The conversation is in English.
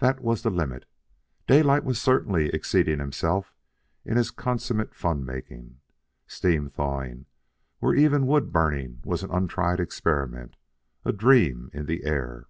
That was the limit. Daylight was certainly exceeding himself in his consummate fun making. Steam thawing when even wood burning was an untried experiment, a dream in the air!